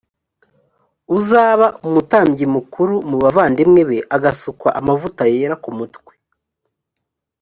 uzaba umutambyi mukuru mu bavandimwe be agasukwa amavuta yera ku mutwe